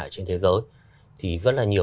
trên thế giới thì rất là nhiều